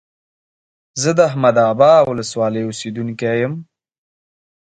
زه د احمد ابا ولسوالۍ اوسيدونکى يم.